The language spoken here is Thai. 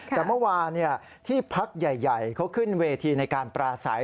แต่เมื่อวานที่พักใหญ่เขาขึ้นเวทีในการปราศัย